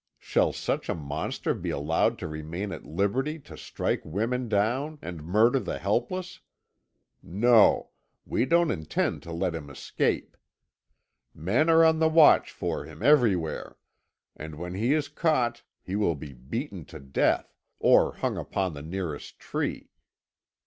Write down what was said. Shall such a monster be allowed to remain at liberty to strike women down and murder the helpless? No we don't intend to let him escape. Men are on the watch for him everywhere, and when he is caught he will be beaten to death, or hung upon the nearest tree.